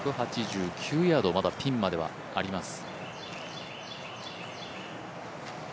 １８９ヤード、まだピンまではあります。